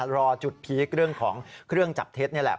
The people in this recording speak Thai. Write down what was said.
รอจุดที่เรื่องจับเท็จนี่แหละ